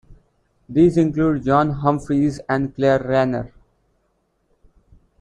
These include John Humphrys and Claire Rayner.